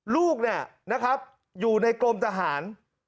ลูกเนี่ยนะครับอยู่ในกรมทหาร